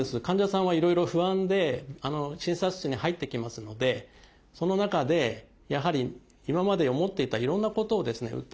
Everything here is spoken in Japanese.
患者さんはいろいろ不安で診察室に入ってきますのでその中でやはり今まで思っていたいろんなことをですね